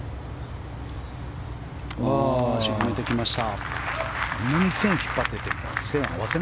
沈めてきました。